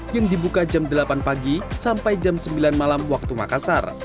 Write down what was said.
yang dibuka jam delapan pagi sampai jam sembilan malam waktu makassar